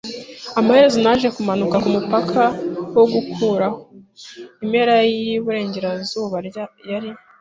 Amaherezo, naje kumanuka kumupaka wo gukuraho. Impera y'iburengerazuba yari